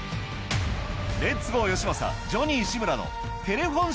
レッツゴーよしまさジョニー志村のテレフォン